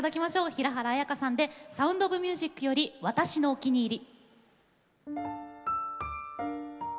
平原綾香さんで「サウンド・オブ・ミュージック」より「私のお気に入り」。